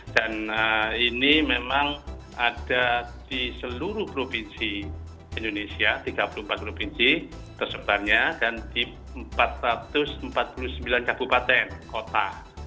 dan ini memang ada di seluruh provinsi indonesia tiga puluh empat provinsi tersebarnya dan di empat ratus empat puluh sembilan kabupaten kota